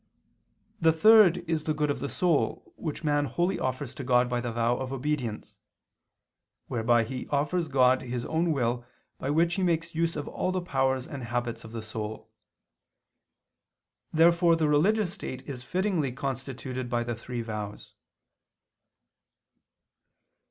The third is the good of the soul, which man wholly offers to God by the vow of obedience, whereby he offers God his own will by which he makes use of all the powers and habits of the soul. Therefore the religious state is fittingly constituted by the three vows.